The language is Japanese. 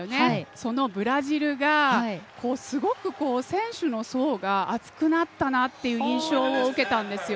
そのブラジルがすごく選手の層が厚くなったなという印象を受けたんですよ。